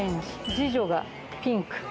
次女がピンク。